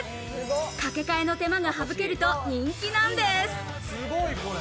掛け替えの手間が省けると人気なんです。